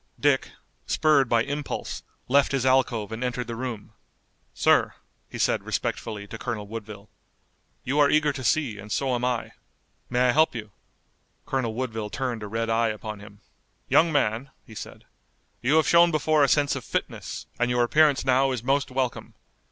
Dick, spurred by impulse, left his alcove and entered the room. "Sir," he said respectfully to Colonel Woodville, "you are eager to see, and so am I. May I help you?" Colonel Woodville turned a red eye upon him. "Young man," he said, "you have shown before a sense of fitness, and your appearance now is most welcome.